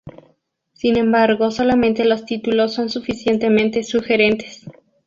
Sin embargo solamente los títulos son suficientemente sugerentes.